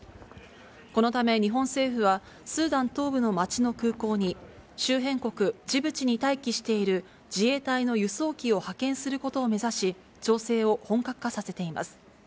このため、日本政府はスーダン東部の町の空港に、周辺国ジブチに待機している自衛隊の輸送機を派遣することを目指し、調整を本格化させています。